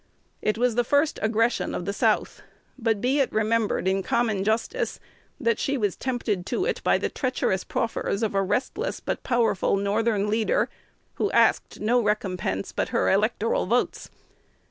It was the first aggression of the South; but be it remembered in common justice, that she was tempted to it by the treacherous proffers of a restless but powerful Northern leader, who asked no recompense but her electoral votes.